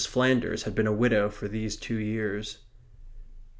Flanders had been a widow for these two years.